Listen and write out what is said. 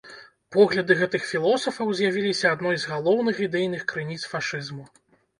Погляды гэтых філосафаў з'явіліся адной з галоўных ідэйных крыніц фашызму.